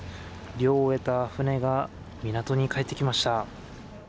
漁を終えた船が港に帰ってきました。